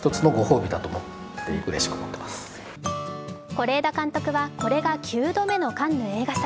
是枝監督はこれが９度目のカンヌ映画祭。